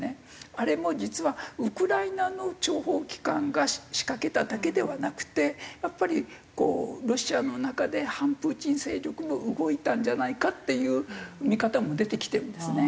あれも実はウクライナの諜報機関が仕掛けただけではなくてやっぱりロシアの中で反プーチン勢力が動いたんじゃないかっていう見方も出てきてるんですね。